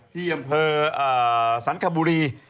ที่อำเภอสันคบุรี